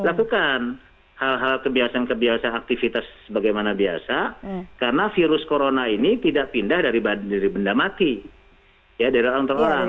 kita harus lakukan hal hal kebiasaan kebiasaan aktivitas sebagaimana biasa karena virus corona ini tidak pindah dari benda mati ya dari ruang terorang